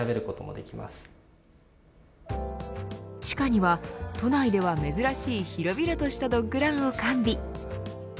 地下には都内では珍しい広々としたドッグランを完備。